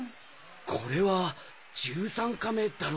これは１３カメだろ？